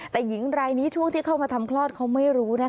แต่หญิงรายนี้ช่วงที่เข้ามาทำคลอดเขาไม่รู้